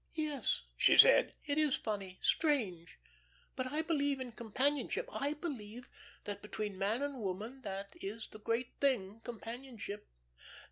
"Yes," she said, "it is funny strange. But I believe in companionship. I believe that between man and woman that is the great thing companionship.